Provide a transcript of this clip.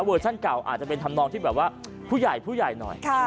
เวอร์ชันเก่าอาจจะเป็นทำนองที่แบบว่าผู้ใหญ่ผู้ใหญ่หน่อยค่ะ